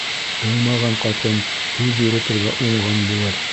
Уңмаған ҡатын һүҙ йөрөтөргә уңған булыр.